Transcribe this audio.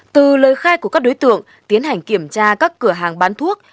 từ lời khai của các đối tượng tiến hành kiểm tra các cửa hàng bán thuốc